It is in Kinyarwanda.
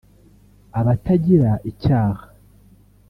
abatagira icyaha)